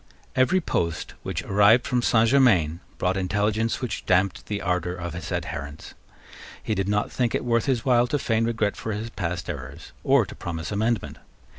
Every post which arrived from Saint Germains brought intelligence which damped the ardour of his adherents. He did not think it worth his while to feign regret for his past errors, or to promise amendment.